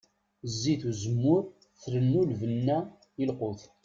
Zzit n uzemmur trennu lbenna i lqut.